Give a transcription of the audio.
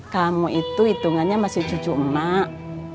kamu itu hitungannya masih cucu emak